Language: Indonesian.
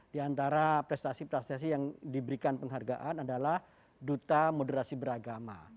di antara prestasi prestasi yang diberikan penghargaan adalah duta moderasi beragama